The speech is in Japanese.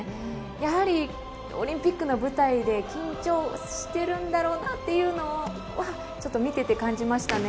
やはりオリンピックの舞台で緊張しているんだろうなというのはちょっと見てて感じましたね。